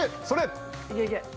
それ！